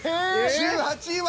１８位は。